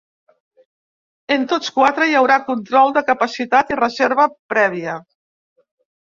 En tots quatre hi haurà control de capacitat i reserva prèvia.